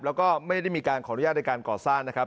แล้วก็ไม่ได้มีการขออนุญาตในการก่อสร้างนะครับ